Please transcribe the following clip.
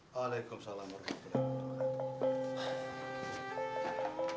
waalaikumsalam warahmatullahi wabarakatuh